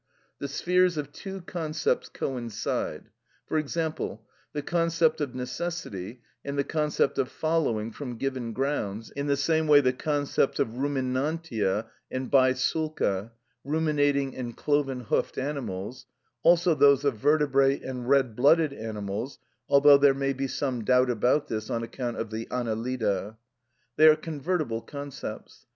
The spheres of two concepts coincide: for example the concept of necessity and the concept of following from given grounds, in the same way the concepts of Ruminantia and Bisulca (ruminating and cloven hoofed animals), also those of vertebrate and red blooded animals (although there might be some doubt about this on account of the annelida): they are convertible concepts.